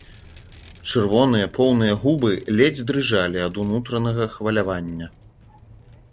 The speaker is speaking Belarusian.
Чырвоныя поўныя губы ледзь дрыжалі ад унутранага хвалявання.